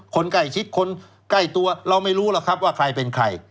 คนใกล้ชิดคนใกล้ตัวเราไม่รู้หรอกครับว่าใครเป็นใคร